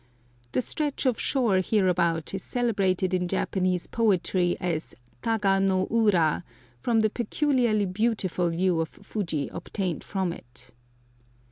The stretch of shore hereabout is celebrated in Japanese poetry as Taga no ura, from the peculiarly beautiful view of Fuji obtained from it.